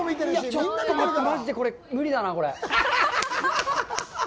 ちょっと待って、マジでこれ無理だなあ。